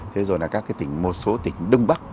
thế rồi là các cái tỉnh một số tỉnh đông bắc